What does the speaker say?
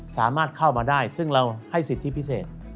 สามารถเข้ามาได้ซึ่งเราให้สิทธิพิเศษ